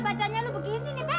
bacanya lo begini nih pe